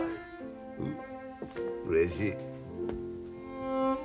うれしい。